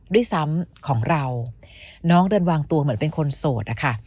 ด้วยซ้ำของเราน้องเดินวางตัวเหมือนเป็นคนโสดอะค่ะ